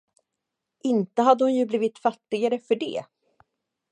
Inte hade hon ju blivit fattigare för det.